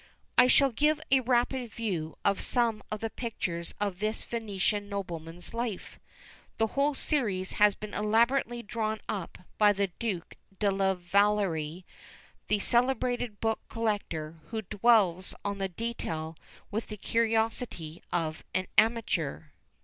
I shall give a rapid view of some of the pictures of this Venetian nobleman's life. The whole series has been elaborately drawn up by the Duke de la Vallière, the celebrated book collector, who dwells on the detail with the curiosity of an amateur.